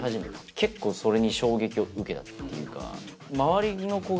結構それに衝撃を受けたっていうか。